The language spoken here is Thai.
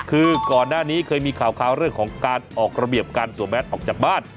คือก่อนหน้านี้เคยมีข่าวเรื่องของการออกระเบียบการสวมแมสออกจากบ้าน